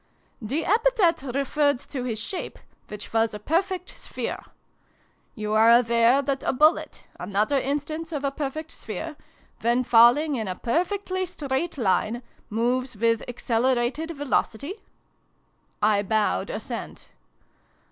" The epithet referred to his shape, which was a perfect sphere. You are aware that a bullet, another instance of a perfect sphere, when falling in a perfectly straight line, moves with Accelerated Velocity ?" I bowed assent.